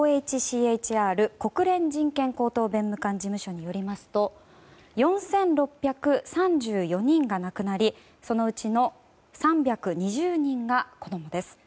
ＯＨＣＨＲ・国連人権高等弁務官事務所によりますと４６３４人が亡くなりそのうちの３２０人が子供です。